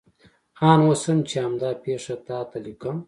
آن اوس هم چې همدا پېښه تا ته لیکم.